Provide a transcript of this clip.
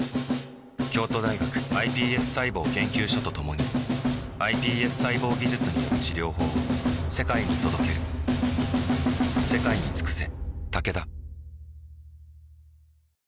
京都大学ｉＰＳ細胞研究所と共にｉＰＳ細胞技術による治療法を世界に届けるさあ出発しよう。